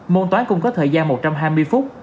môn toán cũng có thời gian một trăm hai mươi phút